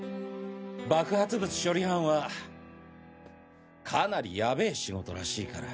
爆発物処理班はかなりヤベェ仕事らしいから。